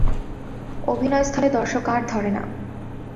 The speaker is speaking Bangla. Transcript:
অভিনয়স্থলে দর্শক আর ধরে না।